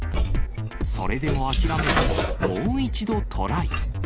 それでも諦めず、もう一度トライ。